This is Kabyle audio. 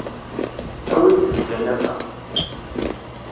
Awimt-d tanafa.